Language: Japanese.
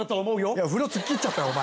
いや風呂突っ切っちゃったよお前。